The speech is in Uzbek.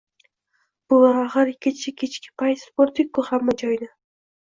Buvi, axir kecha kechki payt supurdik-ku hamma joyni